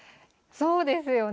そうですよね。